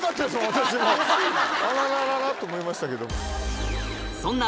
私もあらららと思いましたけど。